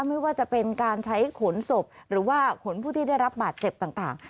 ไม่ว่าจะเป็นการใช้ขนศพหรือว่าขนผู้ที่ได้รับบาดเจ็บต่าง